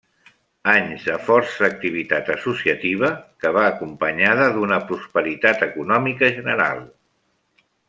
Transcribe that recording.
Anys de forta activitat associativa que va acompanyada d’una prosperitat econòmica general.